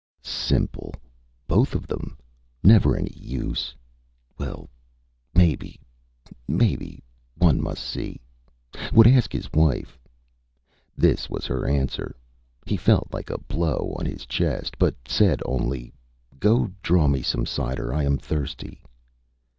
ÂSimple! Both of them. ... Never any use! ... Well! May be, may be. One must see. Would ask his wife.Â This was her answer. He felt like a blow on his chest, but said only: ÂGo, draw me some cider. I am thirsty!